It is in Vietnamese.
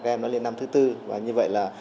các em nó lên năm thứ tư và như vậy là